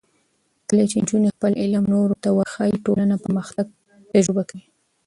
کله چې نجونې خپل علم نورو ته وښيي، ټولنه پرمختګ تجربه کوي.